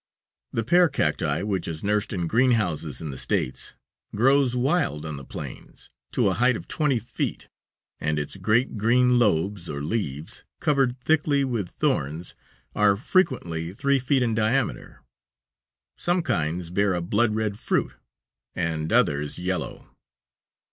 The pear cacti, which is nursed in greenhouses in the States, grows wild on the plains to a height of twenty feet, and its great green lobes, or leaves, covered thickly with thorns, are frequently three feet in diameter. Some kinds bear a blood red fruit, and others yellow.